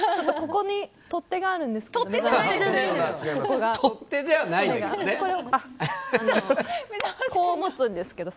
ここに取っ手があるんですけど。